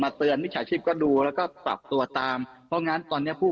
เตือนมิจฉาชีพก็ดูแล้วก็ปรับตัวตามเพราะงั้นตอนเนี้ยผู้